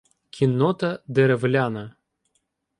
Кіннота деревляна.